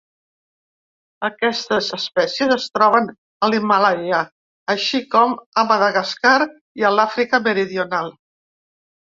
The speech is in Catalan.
Aquestes espècies es troben a l'Himàlaia, així com a Madagascar i a l'Àfrica meridional.